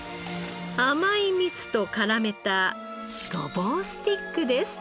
甘い蜜と絡めたごぼうスティックです。